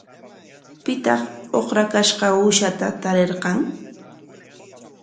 ¿Pitaq ukrakashqa uushata tarirqan?